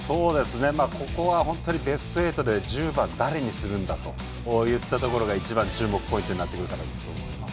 ここはベスト８で１０番、誰にするんだといったところが一番、注目ポイントになってくるかと思います。